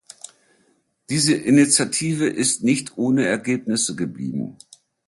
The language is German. Diese Initiative ist nicht ohne Ergebnisse geblieben.